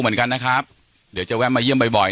เหมือนกันนะครับเดี๋ยวจะแวะมาเยี่ยมบ่อยบ่อย